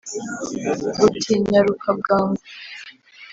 uti " nyaruka bwangu